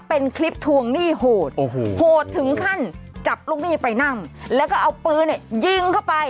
เป็นคลิปทวงหนี้โหดโอ้โหโหดถึงขั้นจับลูกหนี้ไปนั่งแล้วก็เอาปืนยิงเข้าไป